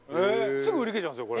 すぐ売り切れちゃうんですよ